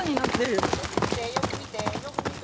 よく見てよく見てよく見て。